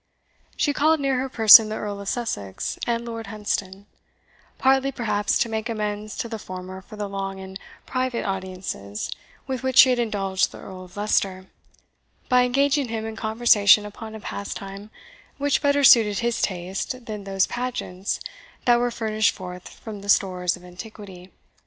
She called near her person the Earl of Sussex and Lord Hunsdon, partly perhaps to make amends to the former for the long and private audiences with which she had indulged the Earl of Leicester, by engaging him in conversation upon a pastime which better suited his taste than those pageants that were furnished forth from the stores of antiquity.